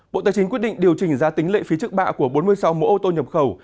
bộ tài chính quyết định điều chỉnh giá tính lệ phí trước bạ của bốn mươi sáu mẫu ô tô nhập khẩu